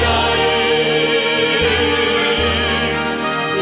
ยอมอาสันก็พระปองเทศพองไทย